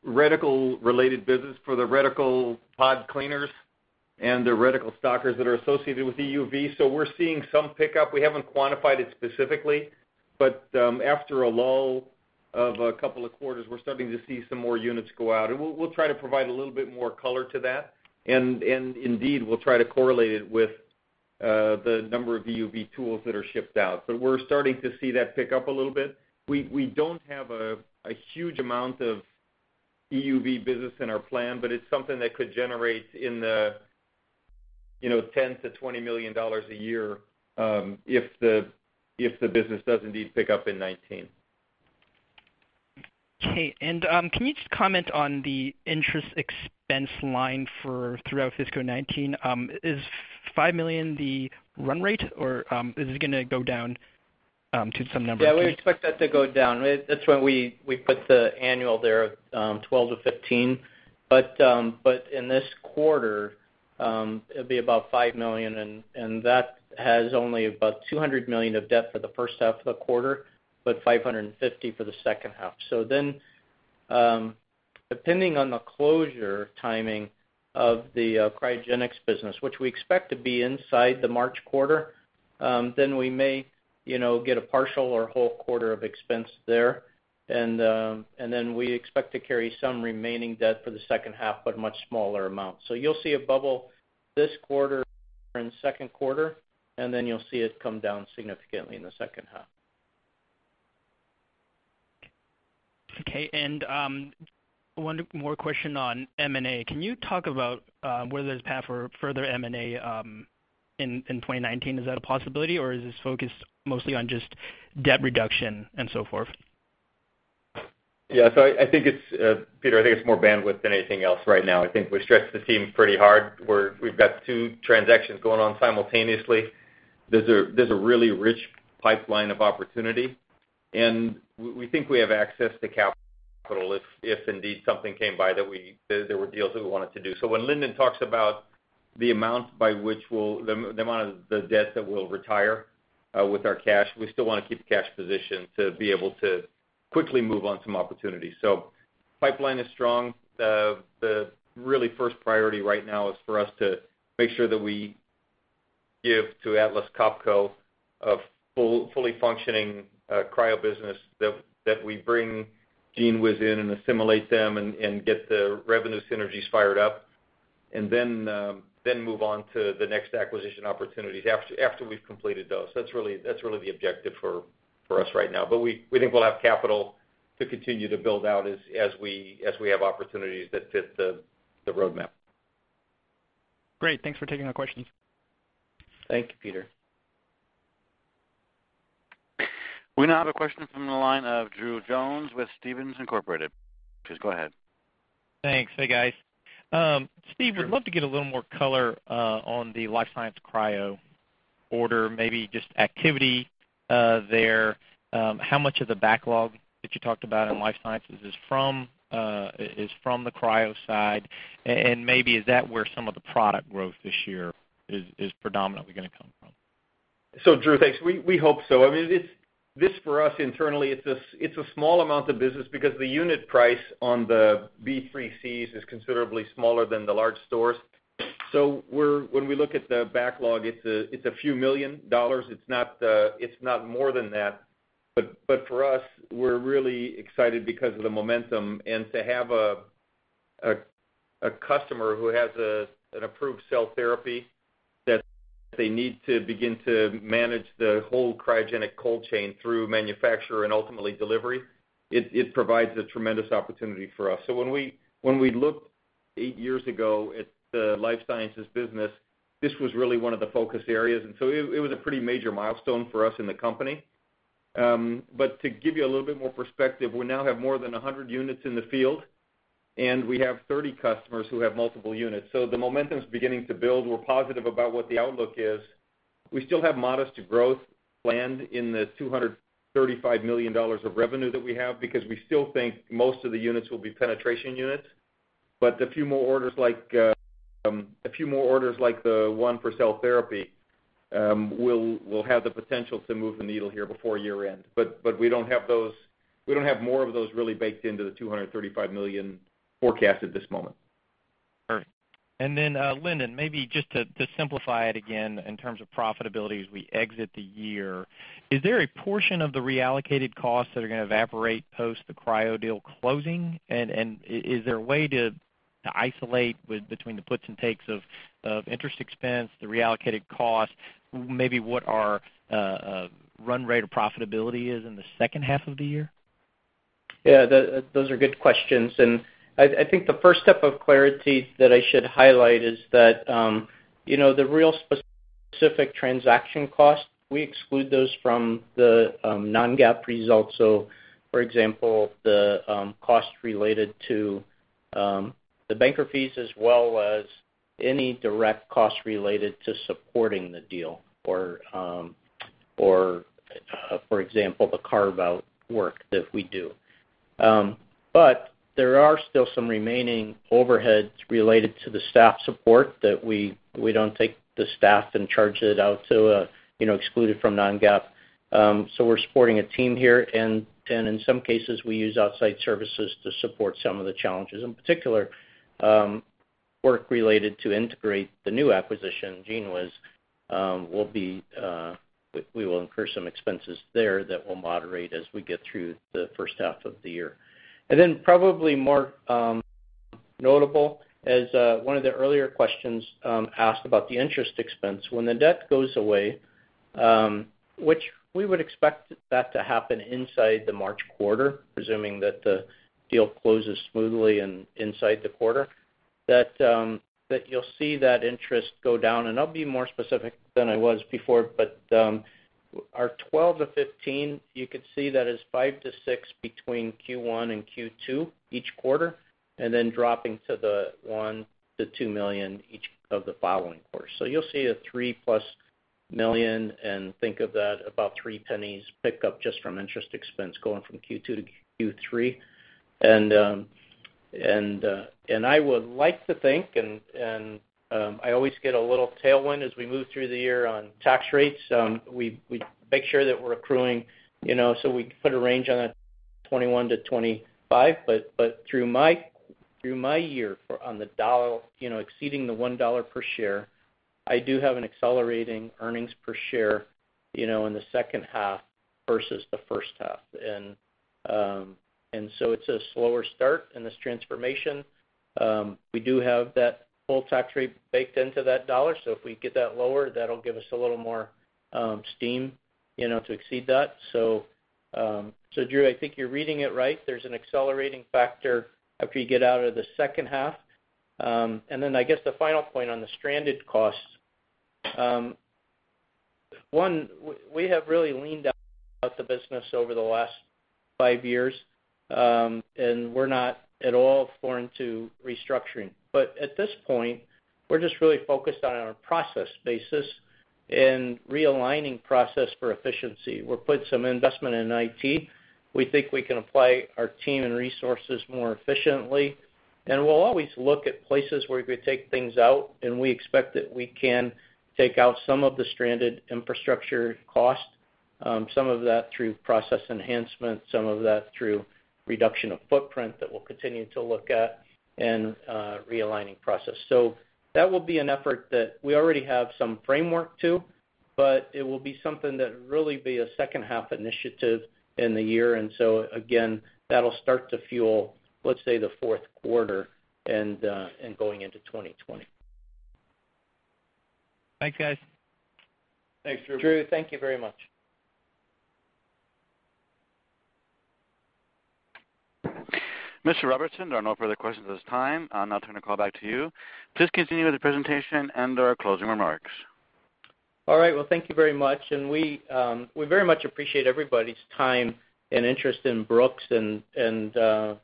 reticle-related business for the reticle pod cleaners and the reticle stockers that are associated with EUV. We're seeing some pickup. We haven't quantified it specifically, but after a lull of a couple of quarters, we're starting to see some more units go out, and we'll try to provide a little bit more color to that. Indeed, we'll try to correlate it with the number of EUV tools that are shipped out. We're starting to see that pick up a little bit. We don't have a huge amount of EUV business in our plan, but it's something that could generate in the $10 million-$20 million a year, if the business does indeed pick up in 2019. Okay. Can you just comment on the interest expense line throughout fiscal 2019? Is $5 million the run rate or is it going to go down to some number? Yeah, we expect that to go down. That's why we put the annual there of 12-15. In this quarter, it'll be about $5 million, and that has only about $200 million of debt for the first half of the quarter, but $550 for the second half. Depending on the closure timing of the cryogenics business, which we expect to be inside the March quarter, we may get a partial or whole quarter of expense there. We expect to carry some remaining debt for the second half, but much smaller amounts. You'll see a bubble this quarter and the second quarter, and then you'll see it come down significantly in the second half. Okay. One more question on M&A. Can you talk about whether there's path for further M&A in 2019? Is that a possibility, or is this focused mostly on just debt reduction and so forth? Yeah. Peter, I think it's more bandwidth than anything else right now. I think we've stretched the team pretty hard. We've got two transactions going on simultaneously. There's a really rich pipeline of opportunity, we think we have access to capital if indeed something came by that there were deals that we wanted to do. When Lindon talks about the amount of the debt that we'll retire with our cash, we still want to keep the cash position to be able to quickly move on some opportunities. The pipeline is strong. The really first priority right now is for us to make sure that we give to Atlas Copco a fully functioning cryo business, that we bring GENEWIZ in and assimilate them and get the revenue synergies fired up, then move on to the next acquisition opportunities after we've completed those. That's really the objective for us right now. We think we'll have capital to continue to build out as we have opportunities that fit the road map. Great. Thanks for taking the questions. Thank you, Peter. We now have a question from the line of Drew Jones with Stephens Inc. Please go ahead. Thanks. Hey, guys. Drew. Steve, would love to get a little more color, on the life science cryo order, maybe just activity there. How much of the backlog that you talked about in life sciences is from the cryo side? Maybe is that where some of the product growth this year is predominantly going to come from? Drew, thanks. We hope so. This for us internally, it's a small amount of business because the unit price on the B3Cs is considerably smaller than the large stores. When we look at the backlog, it's a few million dollars. It's not more than that. For us, we're really excited because of the momentum, and to have a customer who has an approved cell therapy that they need to begin to manage the whole cryogenic cold chain through manufacturer and ultimately delivery, it provides a tremendous opportunity for us. When we looked eight years ago at the life sciences business, this was really one of the focus areas, and it was a pretty major milestone for us in the company. To give you a little bit more perspective, we now have more than 100 units in the field, and we have 30 customers who have multiple units. The momentum's beginning to build. We're positive about what the outlook is. We still have modest growth planned in the $235 million of revenue that we have, because we still think most of the units will be penetration units. A few more orders, like the one for cell therapy, will have the potential to move the needle here before year-end. We don't have more of those really baked into the $235 million forecast at this moment. Perfect. And then, Lindon, maybe just to simplify it again in terms of profitability as we exit the year, is there a portion of the reallocated costs that are going to evaporate post the cryo deal closing? Is there a way to isolate between the puts and takes of interest expense, the reallocated cost, maybe what our run rate of profitability is in the second half of the year? Yeah, those are good questions. I think the first step of clarity that I should highlight is that the real specific transaction cost, we exclude those from the non-GAAP results. For example, the cost related to the banker fees as well as any direct cost related to supporting the deal or, for example, the carve-out work that we do. There are still some remaining overheads related to the staff support that we don't take the staff and charge it out to exclude it from non-GAAP. We're supporting a team here, and in some cases, we use outside services to support some of the challenges. In particular, work related to integrate the new acquisition, GENEWIZ, we will incur some expenses there that will moderate as we get through the first half of the year. Probably more notable as one of the earlier questions asked about the interest expense. When the debt goes away, which we would expect that to happen inside the March quarter, presuming that the deal closes smoothly and inside the quarter, you'll see that interest go down. I'll be more specific than I was before, but our $12-$15, you could see that as $5-$6 between Q1 and Q2 each quarter, then dropping to the $1 million-$2 million each of the following quarters. You'll see a $3+ million and think of that about $0.03 pick up just from interest expense going from Q2 to Q3. I would like to think, I always get a little tailwind as we move through the year on tax rates. We make sure that we're accruing, we can put a range on it, $21-$25. Through my year on the dollar exceeding the $1 per share, I do have an accelerating earnings per share in the second half versus the first half. It's a slower start in this transformation. We do have that full tax rate baked into that dollar. If we get that lower, that'll give us a little more steam to exceed that. Drew, I think you're reading it right. There's an accelerating factor after you get out of the second half. I guess the final point on the stranded costs. One, we have really leaned out the business over the last five years, and we're not at all foreign to restructuring. At this point, we're just really focused on our process basis and realigning process for efficiency. We're putting some investment in IT. We think we can apply our team and resources more efficiently. We'll always look at places where we could take things out, and we expect that we can take out some of the stranded infrastructure cost. Some of that through process enhancement, some of that through reduction of footprint that we'll continue to look at and realigning process. That will be an effort that we already have some framework to, but it will be something that really be a second-half initiative in the year. Again, that'll start to fuel, let's say, the fourth quarter and going into 2020. Thanks, guys. Thanks, Drew. Drew, thank you very much. Mr. Robertson, there are no further questions at this time. I'll now turn the call back to you. Please continue with the presentation and our closing remarks. All right. Well, thank you very much. We very much appreciate everybody's time and interest in Brooks. The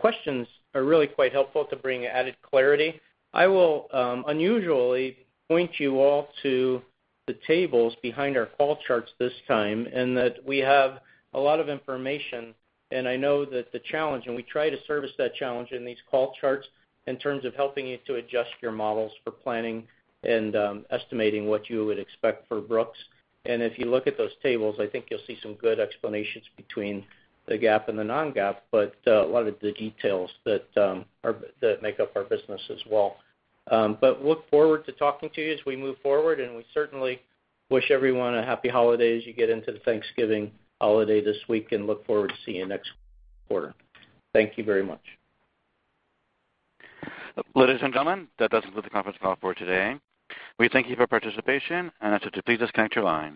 questions are really quite helpful to bring added clarity. I will unusually point you all to the tables behind our call charts this time, and that we have a lot of information. I know that the challenge, and we try to service that challenge in these call charts in terms of helping you to adjust your models for planning and estimating what you would expect for Brooks. If you look at those tables, I think you'll see some good explanations between the GAAP and the non-GAAP, but a lot of the details that make up our business as well. Look forward to talking to you as we move forward, and we certainly wish everyone a happy holiday as you get into the Thanksgiving holiday this week and look forward to seeing you next quarter. Thank you very much. Ladies and gentlemen, that does it for the conference call for today. We thank you for participation, and I ask that you please disconnect your line.